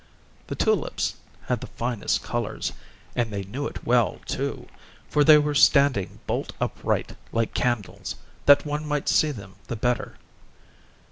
The tulips had the finest colours, and they knew it well, too, for they were standing bolt upright like candles, that one might see them the better.